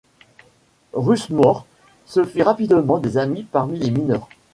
Rushmore se fit rapidement des amis parmi les mineurs.